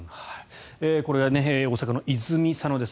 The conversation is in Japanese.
これが大阪の泉佐野市です。